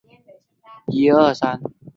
日常点燃和保存神火要经过繁复的仪式。